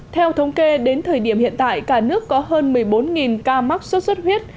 theo thống kê đến thời điểm hiện tại cả nước có hơn một mươi bốn ca mắc sốt xuất huyết